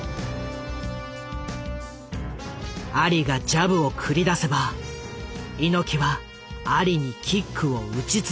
アリがジャブを繰り出せば猪木はアリにキックを打ち続ける。